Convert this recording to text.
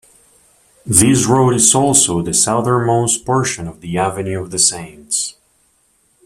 This road is also the southernmost portion of the Avenue of the Saints.